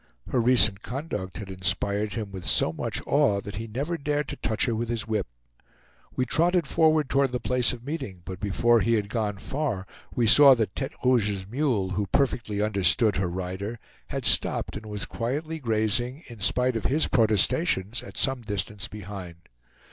Her recent conduct had inspired him with so much awe that he never dared to touch her with his whip. We trotted forward toward the place of meeting, but before he had gone far we saw that Tete Rouge's mule, who perfectly understood her rider, had stopped and was quietly grazing, in spite of his protestations, at some distance behind.